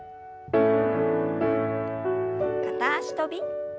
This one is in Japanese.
片脚跳び。